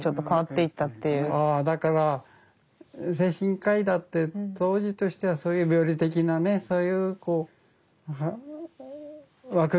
だから精神科医だって当時としてはそういう病理的なそういう枠組みで見てたけどね